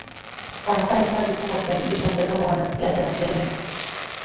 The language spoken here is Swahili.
Wanafanya kazi kubwa kubadilisha mtazamo wa wanasiasa na jamii